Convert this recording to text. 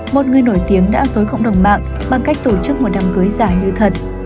một người nổi tiếng đã dối cộng đồng mạng bằng cách tổ chức một đám cưới giả như thật